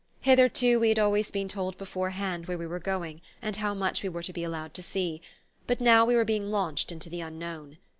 Hitherto we had always been told beforehand where we were going and how much we were to be allowed to see; but now we were being launched into the unknown.